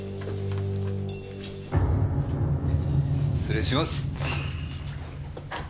失礼します。